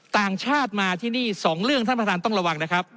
ต่างชาติมาที่นี่สองเรื่องท่านประธานต้องระวังนะครับ